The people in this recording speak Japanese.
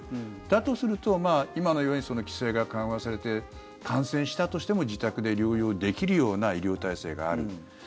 だとすると、今のように規制が緩和されて感染したとしても自宅で療養できるような医療体制がある。